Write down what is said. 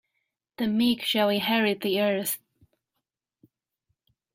The meek shall inherit the earth.